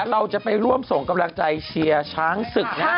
เราจะไปร่วมส่งกำลังใจเชียร์ช้างศึกนะฮะ